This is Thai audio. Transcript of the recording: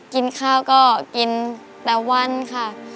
กินข้าวก็กินแต่วันค่ะ